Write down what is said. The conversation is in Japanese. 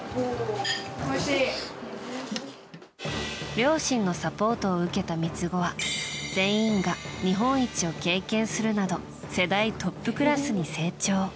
両親のサポートを受けた三つ子は全員が日本一を経験するなど世代トップクラスに成長。